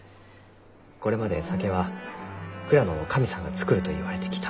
これまで酒は蔵の神さんが造るといわれてきた。